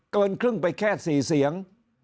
เกินครึ่งไปแค่๔เสียง